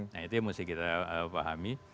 nah itu yang mesti kita pahami